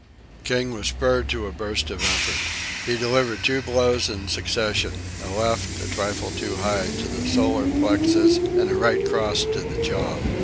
King was spurred to a burst of effort. He delivered two blows in succession a left, a trifle too high, to the solar plexus, and a right cross to the jaw.